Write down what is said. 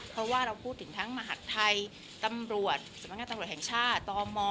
เพราะว่าเราพูดถึงทั้งมหัฒน์ไทยตำรวจสมัครตำรวจแห่งชาติต่อมอ